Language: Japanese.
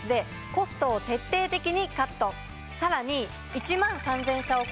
さらに。